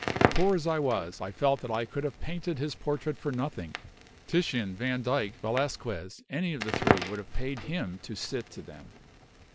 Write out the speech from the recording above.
Poor as I was, I felt that I could have painted his portrait for nothing. Titian, Vandyke, Valasquez any of the three would have paid him to sit to them!